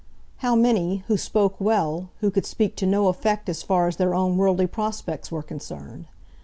How many, who spoke well, who could speak to no effect as far as their own worldly prospects were concerned!